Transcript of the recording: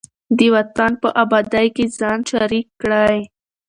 د وطن په ابادۍ کې ځان شریک کړئ.